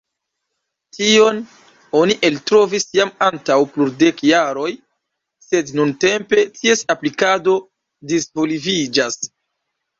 Tion oni eltrovis jam antaŭ plurdek jaroj, sed nuntempe ties aplikado disvolviĝas.